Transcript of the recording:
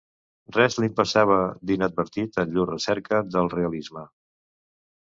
Res li'n passava inadvertit en llur recerca del realisme.